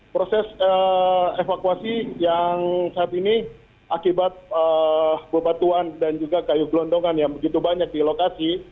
proses evakuasi yang saat ini akibat bebatuan dan juga kayu gelondongan yang begitu banyak di lokasi